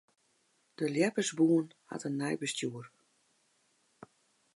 De ljeppersbûn hat in nij bestjoer.